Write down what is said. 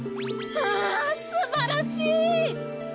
あすばらしい！